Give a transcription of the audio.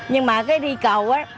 nhưng mà cái đi cầu á